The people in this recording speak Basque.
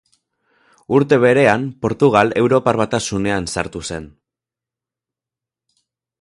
Urte berean Portugal Europar Batasunean sartu zen.